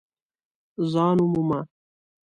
ځان ومومه !